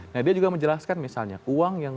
nah dia juga menjelaskan misalnya uang yang